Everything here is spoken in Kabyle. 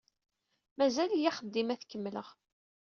Mazal-iyi axeddim ad t-kemmleɣ.